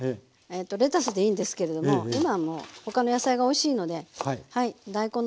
レタスでいいんですけれども今もう他の野菜がおいしいので。